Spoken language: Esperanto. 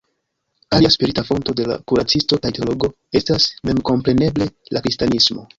Alia spirita fonto de la kuracisto kaj teologo estas memkompreneble la kristanismo.